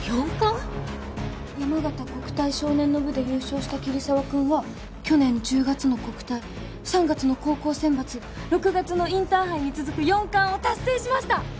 「山形国体少年の部で優勝した桐沢くんは去年１０月の国体３月の高校選抜６月のインターハイに続く四冠を達成しました」